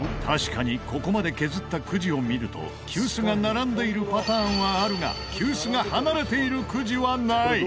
確かにここまで削ったくじを見ると急須が並んでいるパターンはあるが急須が離れているくじはない。